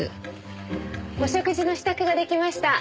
お食事の支度が出来ました。